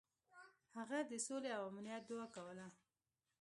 هغه د سولې او امنیت دعا کوله.